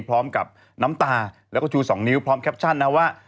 พร้อมกับน้ำตาแล้วก็ชู๒นิ้วพร้อมแคปชั่นนะว่า